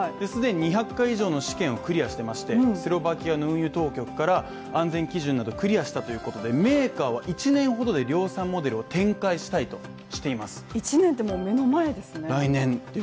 既に２００回以上試験をクリアしていましてスロバキアの運輸当局から安全保障はクリアしたということでメーカーは１年ほどで量産モデルを展開したいとしています。